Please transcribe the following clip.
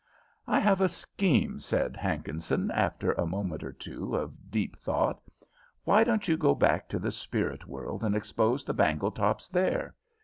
"I have a scheme," said Hankinson, after a moment or two of deep thought. "Why don't you go back to the spirit world and expose the Bangletops there?